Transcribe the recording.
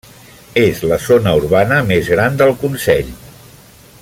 És la zona urbana més gran del Consell.